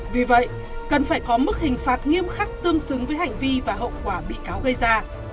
vì vậy cần phải có mức hình phạt nghiêm khắc tương xứng với hành vi và hậu quả bị cáo gây ra